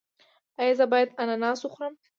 ایا زه باید اناناس وخورم؟